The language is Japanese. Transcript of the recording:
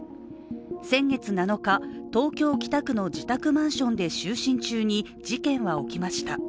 先月７日、東京・北区の自宅マンションで就寝中に事件は起きました。